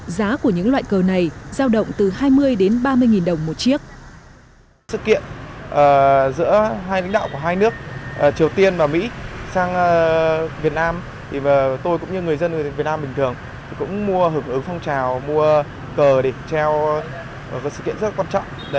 giá của những loại cờ này giao động từ hai mươi đến ba mươi nghìn đồng một chiếc